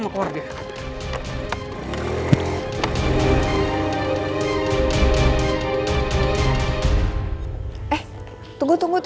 nanti kalau dia tau